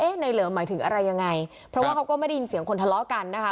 ในเหลิมหมายถึงอะไรยังไงเพราะว่าเขาก็ไม่ได้ยินเสียงคนทะเลาะกันนะคะ